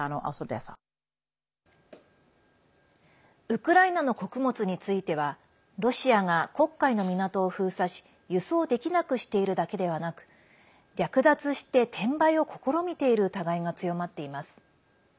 ウクライナの穀物についてはロシアが黒海の港を封鎖し輸送できなくしているだけではなく略奪して転売を試みている疑いが強まっています。